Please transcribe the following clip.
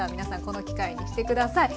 この機会にして下さい。